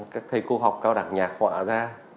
các thầy cô học cao đẳng nhạc họa ra